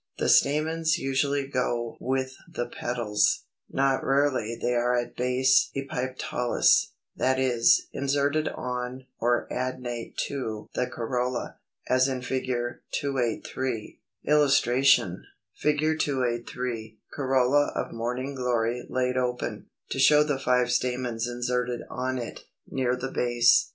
The stamens usually go with the petals. Not rarely they are at base Epipetalous, that is, inserted on (or adnate to) the corolla, as in Fig. 283. When free from the corolla, they may be [Illustration: Fig. 283. Corolla of Morning Glory laid open, to show the five stamens inserted on it, near the base.